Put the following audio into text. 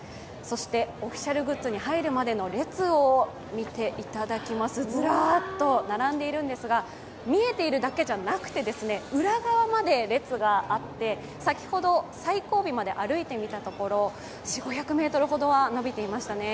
オフィシャルグッズに入るまでの列を見ていただきます、ずらっと並んでいるんですが見えているだけじゃなくて、裏側まで列があって、先ほど最後尾まで歩いてみたところ、４５００ｍほどは伸びていましたね。